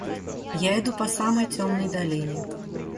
Я иду по самой темной долине.